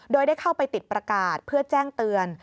โดยได้เข้าไปติดประกาศเพื่อแจ้งเตือน